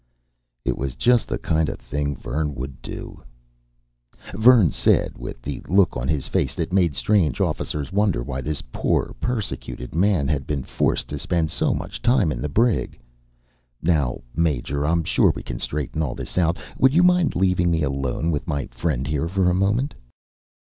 It was just the kind of thing Vern would do. Vern said, with the look on his face that made strange officers wonder why this poor persecuted man had been forced to spend so much time in the brig: "Now, Major, I'm sure we can straighten all this out. Would you mind leaving me alone with my friend here for a moment?"